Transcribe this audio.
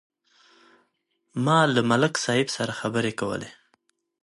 ما له ملک صاحب سره خبرې کولې.